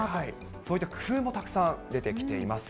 そういった工夫もたくさん出てきています。